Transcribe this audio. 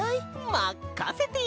まっかせてよ！